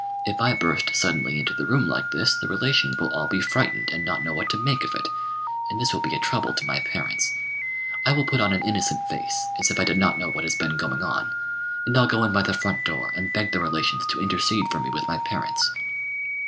If I burst suddenly into the room like this, the relations will all be frightened and not know what to make of it, and this will be a trouble to my parents. I will put on an innocent face, as if I did not know what has been going on, and I'll go in by the front door, and beg the relations to intercede for me with my parents."